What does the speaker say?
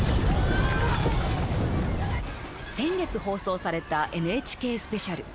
先月、放送されたＮＨＫスペシャル。